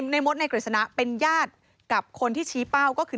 ในมดในกฤษณะเป็นญาติกับคนที่ชี้เป้าก็คือ